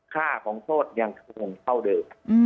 ค่าของโทษยังคงเท่าเดิม